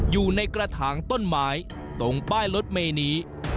อยู่ในกระถางต้นไม้ตรงป้ายรถเมย์นี้